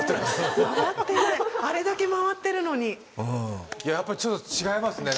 あれだけ回ってるのにやっぱりちょっと違いますね